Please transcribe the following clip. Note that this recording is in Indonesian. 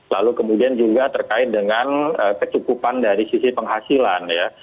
lalu kemudian juga terkait dengan kecukupan dari sisi penghasilan ya